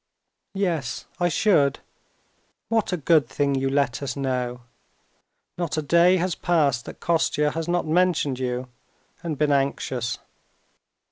"Yes, I should. What a good thing you let us know! Not a day has passed that Kostya has not mentioned you, and been anxious."